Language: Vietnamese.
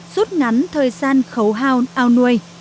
rút ngắn thời gian khấu hao ao nuôi